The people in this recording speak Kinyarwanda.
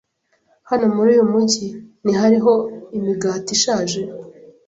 Hano muri uyu mujyi ntihariho imigati ishaje?